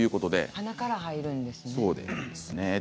鼻から入るんですね。